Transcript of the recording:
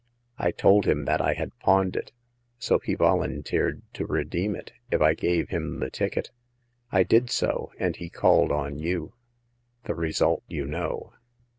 I told him that I had pawned it, so he volun teered to redeem it if I gave him the ticket. I did so, and he called on you. The result you know."